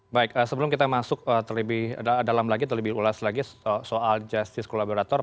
baik sebelum kita masuk terlebih dalam lagi terlebih ulas lagi soal justice collaborator